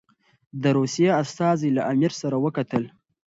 د روسیې استازي له امیر سره وکتل.